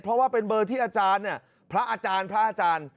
เพราะว่าเป็นเบอร์ที่อาจารย์เนี่ยพระอาจารย์พระอาจารย์